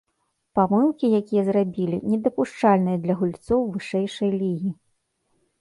Памылкі, якія зрабілі, недапушчальныя для гульцоў вышэйшай лігі.